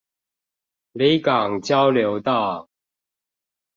里港交流道